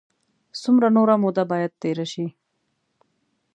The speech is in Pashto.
څومره نوره موده باید تېره شي.